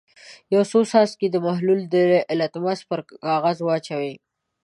یو څو څاڅکي د محلول د لتمس پر کاغذ واچوئ.